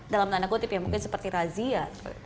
dalam tanda kutip ya mungkin seperti razia